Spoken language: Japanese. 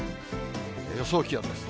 予想気温です。